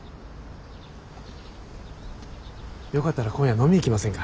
よかったら今夜飲みに行きませんか？